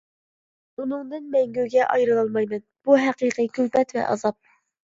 ئۇنىڭدىن مەڭگۈگە ئايرىلالمايمەن، بۇ ھەقىقىي كۈلپەت ۋە ئازاب!